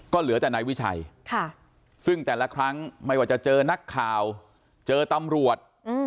ก็เหลือแต่นายวิชัยซึ่งแต่ละครั้งไม่ว่าจะเจอนักข่าวเจอตำรวจ